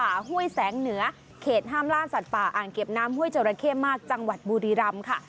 ห้วยแสงเหนือเขตห้ามล่าสัตว์ป่าอ่างเก็บน้ำห้วยจราเข้มากจังหวัดบุรีรำค่ะ